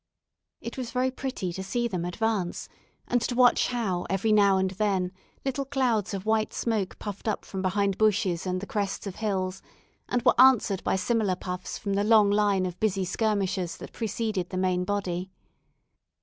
It was very pretty to see them advance, and to watch how every now and then little clouds of white smoke puffed up from behind bushes and the crests of hills, and were answered by similar puffs from the long line of busy skirmishers that preceded the main body.